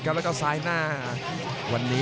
กำปั้นขวาสายวัดระยะไปเรื่อย